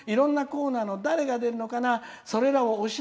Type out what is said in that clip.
いろんなコーナーの誰が出るのかな。